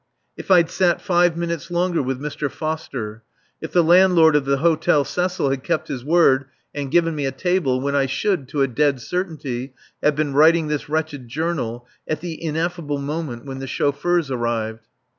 If I'd sat five minutes longer with Mr. Foster. If the landlord of the Hôtel Cecil had kept his word and given me a table, when I should, to a dead certainty, have been writing this wretched Journal at the ineffable moment when the chauffeurs arrived.